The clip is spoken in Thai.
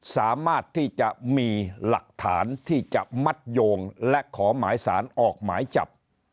สามารถที่จะมีหลักฐานที่จะมัดโยงและขอหมายสารออกหมายจับ